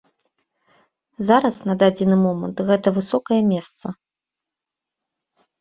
Зараз на дадзены момант гэта высокае месца.